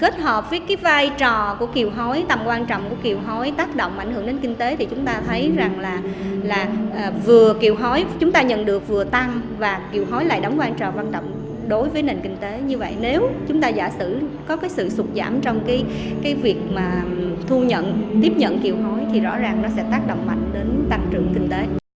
tiếp nhận kiều hối thì rõ ràng nó sẽ tác động mạnh đến tăng trưởng kinh tế